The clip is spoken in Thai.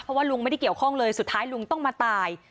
เพราะว่าลุงไม่ได้เกี่ยวข้องเลยสุดท้ายลุงต้องมาตาย